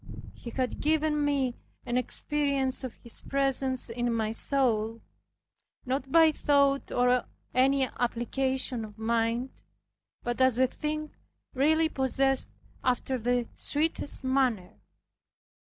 He had given me an experience of His presence in my soul; not by thought or any application of mind, but as a thing really possessed after the sweetest manner.